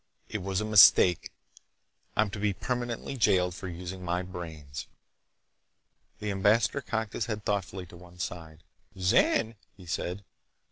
It was a mistake! I'm to be permanently jailed for using my brains!" The ambassador cocked his head thoughtfully to one side. "Zan?" he said.